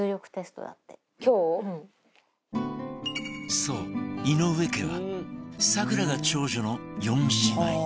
そう井上家は咲楽が長女の４姉妹